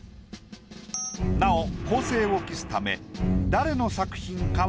なお公正を期すためこの作品は。